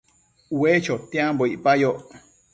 Ue chotiambo icpayoc